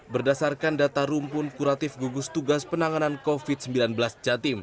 berdasarkan data rumpun kuratif gugus tugas penanganan covid sembilan belas jatim